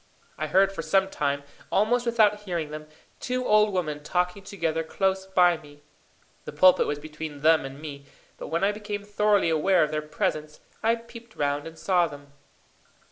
I heard for some time, almost without hearing them, two old women talking together close by me. The pulpit was between them and me, but when I became thoroughly aware of their presence, I peeped round and saw them.